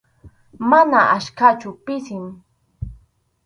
Mana achkachu, pisim.